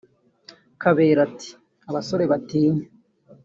Kabera ati “Abasore batinya